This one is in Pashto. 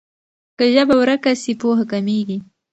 که ژبه ورکه سي پوهه کمېږي.